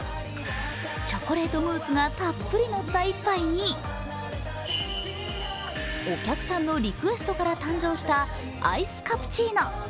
チョコレートムースがたっぷりのった一杯にお客さんのリクエストから誕生したアイスカプチーノ。